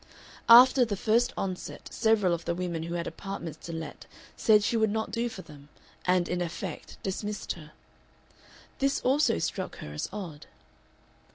After the first onset several of the women who had apartments to let said she would not do for them, and in effect dismissed her. This also struck her as odd.